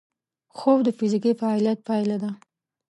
خوب د فزیکي فعالیت پایله ده